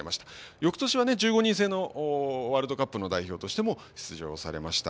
よくとしは１５人制のワールドカップの代表としても出場されました。